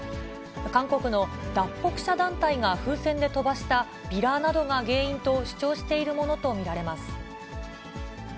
韓国の脱北者団体が風船で飛ばしたビラなどが原因と主張しているものと見られます。